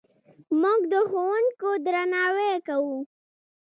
موږ د ښوونکو درناوی کوو.